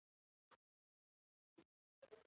زه به په څو ورځو کې له دې ځايه ووځم.